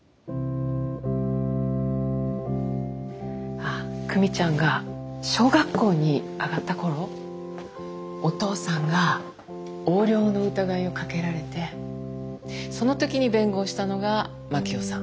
あっ久美ちゃんが小学校に上がった頃お父さんが横領の疑いをかけられてその時に弁護をしたのが真樹夫さん。